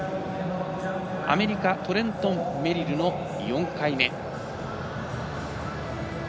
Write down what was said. アメリカトレントン・メリルの４回目。